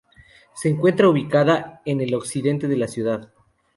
Se encuentra ubicada en el occidente de la ciudad.